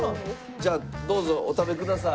じゃあどうぞお食べください。